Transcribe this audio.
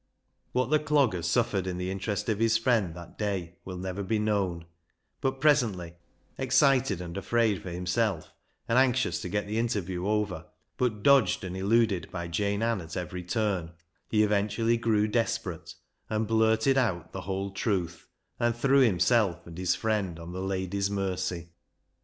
What the Clogger suffered in the interest of his friend that day will never be known, but presently, excited and afraid for himself, and anxious to get the interview over, but dodged and eluded by Jane Ann at every turn, he eventually grew desperate and blurted out the whole truth, and threw himself and his friend on the lady's mercy.